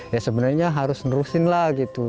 ya sebenarnya harus nerusin lah gitu